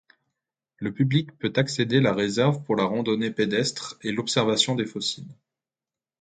Le public peut accéder la réserve pour la randonnée pédestre et l'observation des fossiles.